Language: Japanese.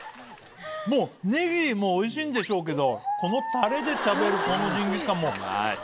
もうネギもおいしいんでしょうけどこのタレで食べるこのジンギスカンも。